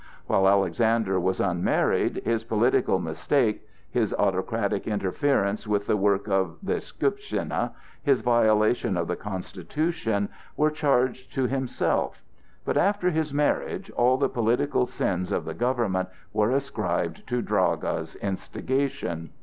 While Alexander was unmarried, his political mistakes, his autocratic interference with the work of the Skuptschina, his violation of the constitution, were charged to himself; but after his marriage all the political sins of the government were ascribed to Draga's instigation.